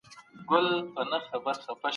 دا کوچنی مرغی پرون له ځالي څخه البوتی.